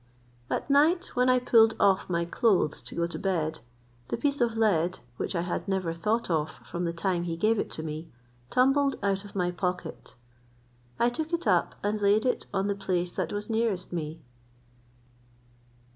At night when I pulled off my clothes to go to bed, the piece of lead, which I had never thought of from the time he gave it me, tumbled out of my pocket. I took it up, and laid it on the place that was nearest me.